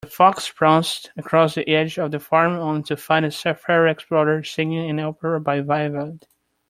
The fox pounced across the edge of the farm, only to find a safari explorer singing an opera by Vivaldi.